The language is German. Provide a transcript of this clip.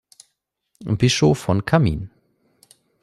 Bischof von Cammin.